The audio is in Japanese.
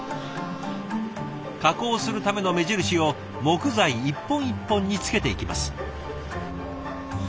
加工するための目印を木材一本一本につけていきます。